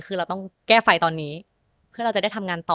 คือเราต้องแก้ไฟตอนนี้เพื่อเราจะได้ทำงานต่อ